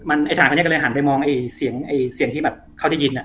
ไอทางก็เลยหันไปมองเสียงที่เขาได้ยิน